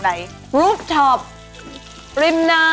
แล้วคริสต์ล่ะ